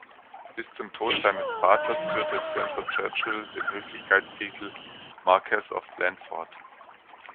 Bis zum Tod seines Vaters führte Spencer-Churchill den Höflichkeitstitel "Marquess of Blandford".